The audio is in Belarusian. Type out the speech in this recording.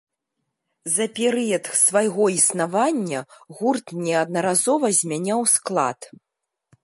За перыяд свайго існавання гурт неаднаразова змяняў склад.